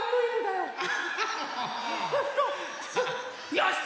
よし！